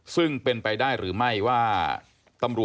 ซึ่งเป็นไปได้หรือไม่ว่า